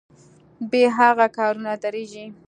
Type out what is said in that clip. بې هغه کارونه دریږي.